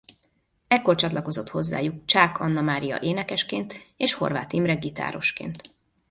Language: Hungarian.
Ekkor csatlakozott hozzájuk Csák Annamária énekesként és Horváth Imre gitárosként.